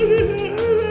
mas aku mau pergi